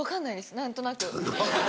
何となく。